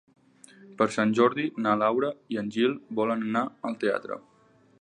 Per Sant Jordi na Laura i en Gil volen anar al teatre.